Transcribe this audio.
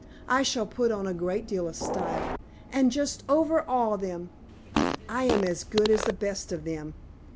I shall put on a great deal of style, and just overawe them. I am as good as the best of them.